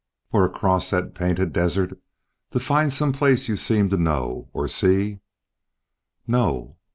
"Or across that Painted Desert to find some place you seem to know, or see?" "No."